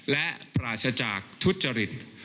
และปราศจากทุจริต